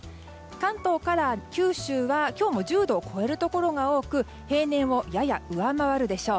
関東から九州は、今日も１０度を超えるところが多く平年をやや上回るでしょう。